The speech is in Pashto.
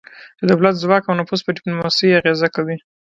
د دولت ځواک او نفوذ په ډیپلوماسي اغیزه کوي